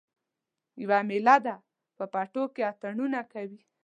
یوه میله ده په پټو کې اتڼونه کوي